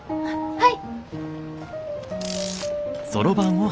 はい。